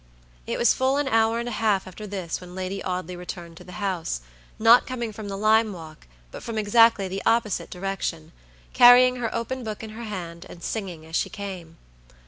It was full an hour and a half after this when Lady Audley returned to the house, not coming from the lime walk, but from exactly the opposite direction, carrying her open book in her hand, and singing as she came.